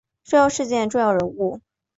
重要事件重要人物